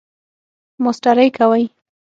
ماسټری کوئ؟